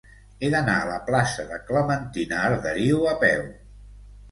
He d'anar a la plaça de Clementina Arderiu a peu.